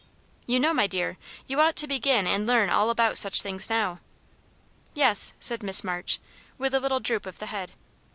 "You know, my dear, you ought to begin and learn all about such things now." "Yes," said Miss March, with a little droop of the head.